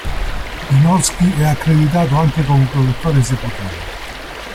Wynorski è accreditato anche come produttore esecutivo.